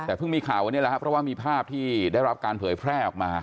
แต่เพิ่งมีข่าววันนี้แหละครับเพราะว่ามีภาพที่ได้รับการเผยแพร่ออกมา